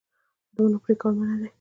د ونو پرې کول منع دي